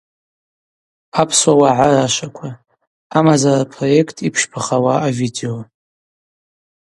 Апсуа уагӏа рашваква: Амазара проект йпщбахауа авидео.